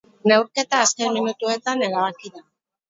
Neurketa azken minutuetan erabaki da.